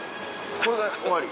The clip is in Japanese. これが終わり？